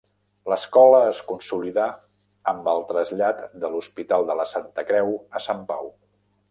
L'escola es consolidà amb el trasllat de l'Hospital de la Santa Creu a Sant Pau.